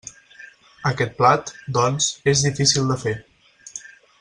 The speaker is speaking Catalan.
Aquest plat, doncs, és difícil de fer.